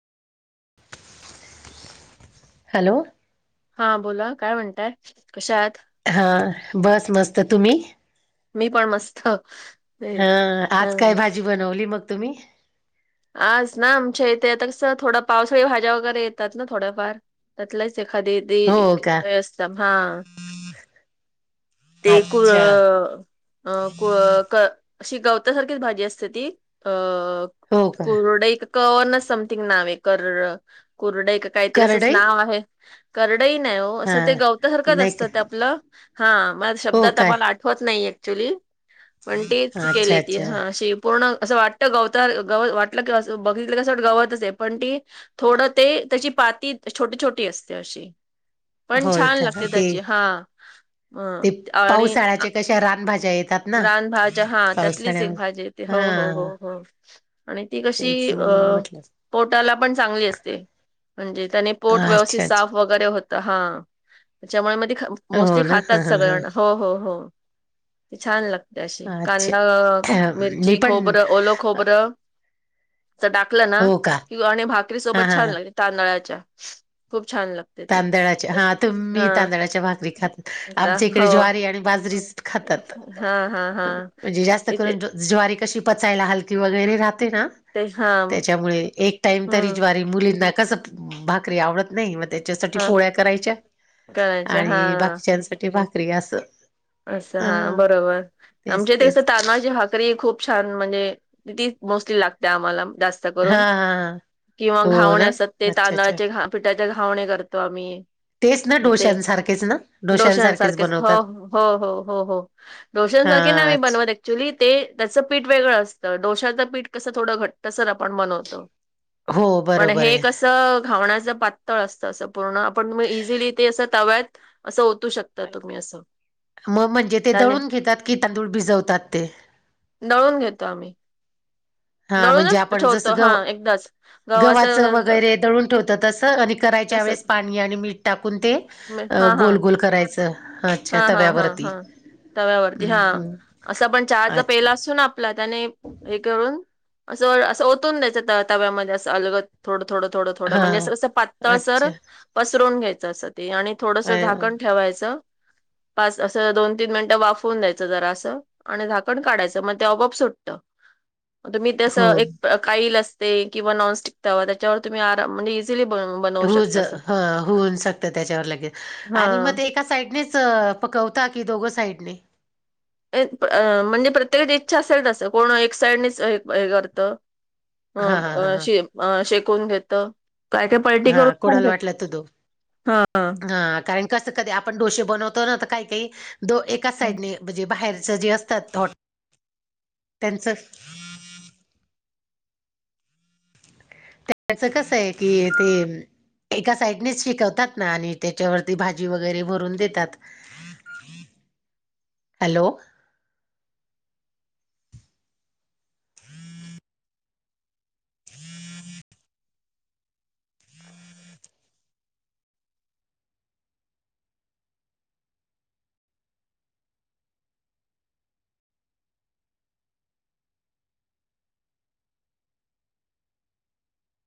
Hello! हा बोला काय म्हणताय? कशा आहात? हा. बस मस्त. तुम्ही? मी पण मस्त. हा तेच. आज काय भाजी बनवली मग तुम्ही? आज ना आमच्या इथे आता कसं थोडा पावसाळी भाज्या वगैरे येतात ना थोड्याफार त्यातलाच एखादी दी हो का अस त्या हा ते कुळ अच्छा अ कु अ क अशी गवतासारखीच भाजी असते ती. अ हो का कुरडई क वरण च समथिंग नाव आहे - कर -कुरडई - - काहीतरी असंच करडई नाव आहे करडई नाही हो हा असं ते गवतसारखं नाही का असतं आपलं हा म आता हो शब्दात काय मला आठवत नाहीयाय ऍक्च्युली म्हण तेच अच्छा केली ती अच्छा ह अशी पूर्ण असं वाटत गवतावर गव वाटलं की अस बघितलं कस वाट गवतच आहे. पण ती - - थोडं ते त्याची पाती छोटी छोटी असते अशी पण होय छान का लागते ते त्याची हा. ह ते आणि पावसाळ्याच्या कशा रानभाज्या येतात ना रानभज्या हा त्यातलीच एक भाजी आहे. पावसाळ्यामध्ये हो हो हो हा हो आणि ती कशी तेच अ म्हणून म्हटलं पोटाला पण चांगली असते. म्हणजे त्याने पोट व्यवस्थित अच्छा साफ अच्छा वगैरे होत हा त्याच्यामुळे मग त हो मोस्टली ना हा खातात हा सगळेजण हा हो हो हो. ती छान लागते अशी कांदा, अच्छा मी मिरची, पण खोबरं, ओल खोबरं तर टाकलं ना? हो का कि आणि भाकरी हा सोबत हा छान लागते तांदळाच्या खूप छान लाग तांदळाच्या हा तुम्ही तांदळाच्या भाकरी खात. आता आमच्या इकडे हो ज्वारी आणि बाजरीच. खातात हा हा हा -म्हणजे जास्त इथे करून जो - - ज्वारी कशी पचायला हलकी वगैरे राहते ना? ते हा त्याच्यामुळे एक टाइम तरी हम्म ज्वारी मुलींना कस भाकरी आवडत नाही म ते - - त्याच्यासाठी हा पोळ्या करायच्या करायच हा आणि बाकीच्यासाठी भाकरी घ्या अस असं हा बरोबर. तेच आमच्यात ते कसं तेच तांदळाची भाक - - करी खूप छान म्हणजे तीच मोस्टली लागते आम्हाला जास्त च हा करून हा हा किंवा हो घावणे ना असत. ते अच्छा अच्छा तांदळाचे पिठाचे घावणे करतो आम्ही. तेच ना म ते डोश्यांसारखेच ना डोशां डोश्यांसारखेच सारखेच हो बनवतात हो हो हो हो हो हा डोशांसारखे नाही आम्ही बनवत. अच्छा ॲक्च्युली ते त्याचं पीठ वेगळं असतं डोशचं पीठ कसं थोडं घट्टसर आपण बनवतो. हो पण बरोबर हे आहे कस घावणाच पातळ असत अस पूर्ण. आपण म इझिली ते अस तव्यात अस ओतू शकतो. आता तुम्ही अस मग म्हणजे ते दळून घेतात, की तांदूळ भिजवतात ते. दळून घेतो आम्ही. हा म्हणजे दळूनच आपण जस ठेवतो हा गव एकदाच गव्हाच वगैरे दळून ठेवतो. तस आणि करायच्या वेळेस तसच पाणी आणि मीठ टाकून ते हा हा गोल गोल करायच. हा हा हा हा तव्यावरती हम्म हा हम्म. असा आपण चहाचा अच्छा पेला असतो ना आपला त्याने एक करून अस अस ओतून द्यायच त्या तव्यामध्ये अस अलगत. थोड थोड थोड हा म्हणजे अस अस पातळसर अच्छा पसरवून घ्यायच अस ते. आणि- थोडस अ झाकण ठेवायच पाच अस दोन, तीन मिनट वाफवून द्यायच जरा अस. आणि झाकण काढायच मग ते आपोआप सुटत. तुम्ही तस हो एक काईल असते किंवा नॉनस्टिक तवा त्याच्यावर तुम्ही आराम म्हणजे ईजीली बनवु होज ह होऊन शकत त्याच्यावर लगेच. आणि हा मग ते एका साईडनेच पकवता, की दोघ साईडने. म्हणजे प्रत्येकाची इच्छा असेल तस कोण एक साइडनेच हे करत. हा हा हा ह हा शे शेकून घेत. काय काय पलटी हा करून पण कोणाला घेत वाटल त दो हा. हा कारण कस कधी आपण डोसेे बनवतो ना तर काही काही दो एकाच हो साईडने म्हणजे बाहेरच जे असतात त्यांच त्याच कस आहे की ये ते एका साइडनेस शिकवतात ना. आणि त्याच्यावरती भाजी वगैरे भरून देतात. हॅलो [inaudible] [inaudible]